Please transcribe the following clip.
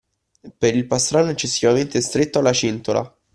Per il pastrano eccessivamente stretto alla cintola